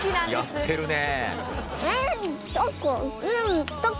やってるね。